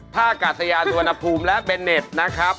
อากาศยานสุวรรณภูมิและเบนเน็ตนะครับ